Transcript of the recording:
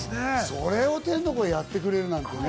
それを天の声やってくれるなんてね。